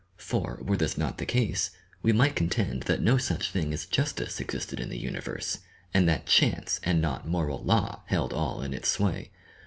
For, were this not the case, we might contend that no such thing as justice existed in the Universe, and that Chance and not Moral Law held all in its sway.